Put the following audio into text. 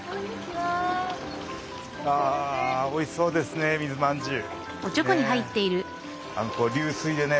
あおいしそうですね水まんじゅう。